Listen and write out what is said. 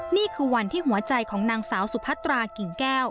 นี่คือวันที่หัวใจของนางสาวสุพัตรากิ่งแก้ว